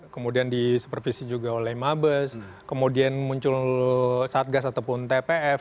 kemudian disupervisi juga oleh mabes kemudian muncul satgas ataupun tpf